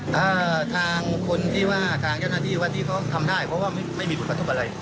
ถ้าทางคนที่ว่าทางเจ้าหน้าที่ว่าที่เขาทำได้เพราะว่าไม่มีผลกระทบอะไร